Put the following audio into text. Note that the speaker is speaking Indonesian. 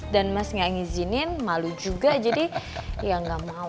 dan mas gak ngizinin malu juga jadi ya gak mau